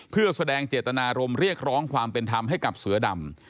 เพื่อแสดงเจตนารมณ์เรียกร้องความเป็นธรรมให้กับเสือดำ